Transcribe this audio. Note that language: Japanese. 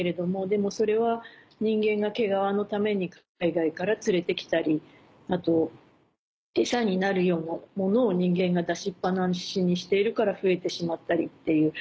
でもそれは人間が毛皮のために海外から連れて来たりあと餌になるようなものを人間が出しっ放しにしているから増えてしまったりっていう。